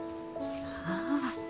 ああ。